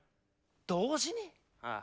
同時に？